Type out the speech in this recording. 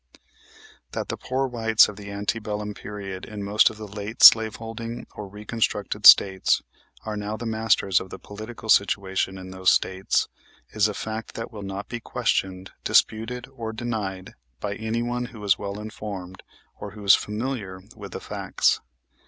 That the poor whites of the ante bellum period in most of the late slaveholding or reconstructed States are now the masters of the political situation in those States, is a fact that will not be questioned, disputed or denied by anyone who is well informed, or who is familiar with the facts.